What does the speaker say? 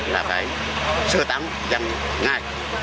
là phải sơ tán dân ngay